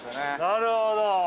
◆なるほど。